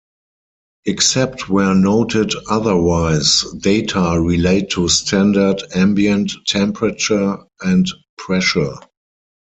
Except where noted otherwise, data relate to standard ambient temperature and pressure.